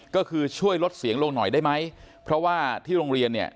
ก็คือช่วยลดเสียงลงหน่อยได้ไหมเพราะว่าที่โรงเรียนเนี่ย